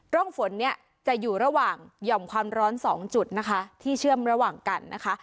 ร่องฝนเนี่ยจะอยู่ระหว่างหย่อมความร้อน๒จุดนะคะที่เชื่อมระหว่างกันนะคะ